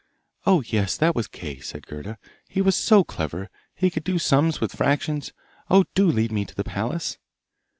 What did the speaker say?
'Oh, yes; that was Kay!' said Gerda. 'He was so clever; he could do sums with fractions. Oh, do lead me to the palace!